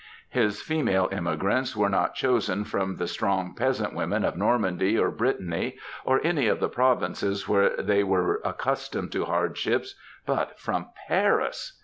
His female emigrants were not chosen from the strong peasant women of Normandy or Brittany, or any of the provinces where they were accustomed to hardships, but from Paris.